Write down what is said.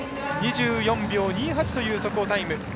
２４秒２８という速報タイム。